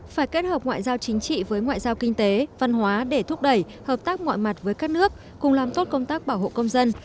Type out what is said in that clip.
phải kết hợp ngoại giao chính trị với ngoại giao kinh tế văn hóa để thúc đẩy hợp tác mọi mặt với các nước cùng làm tốt công tác bảo hộ công dân